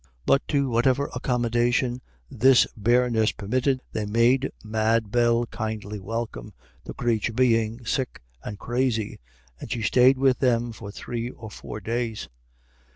But to whatever accommodation this bareness permitted they made Mad Bell kindly welcome, the crathur being sick and crazy, and she stayed with them for three or four days.